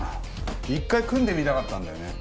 一回組んでみたかったんだよね。